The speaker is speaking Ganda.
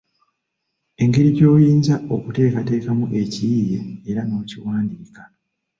Engeri gy’oyinza okuteekateekamu ekiyiiye era n’okiwandiika.